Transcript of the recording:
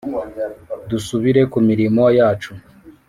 Dusubire kumirimo yacu